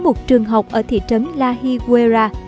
một trường học ở thị trấn la higuera